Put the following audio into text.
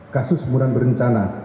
kasus muran berencana